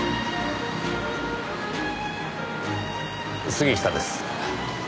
杉下です。